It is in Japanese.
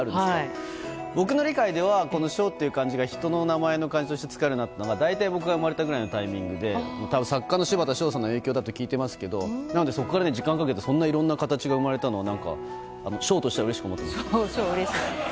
僕の理解では「翔」という漢字が人の名前の漢字として使えるようになったのが大体僕が生まれたぐらいのタイミングで作家の柴田翔さんの影響だと聞いていますがなのでそこから時間をかけていろんな形が生まれたのは「翔」としてはうれしく思っています。